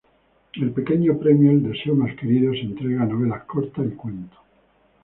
El "Pequeño Premio El deseo más querido" se entrega a novelas cortas y cuentos.